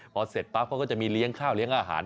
พอเสร็จปั๊บเขาก็จะมีเลี้ยงข้าวเลี้ยงอาหาร